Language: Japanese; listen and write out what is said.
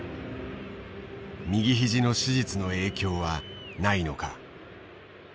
右肘の手術の影響はないのか。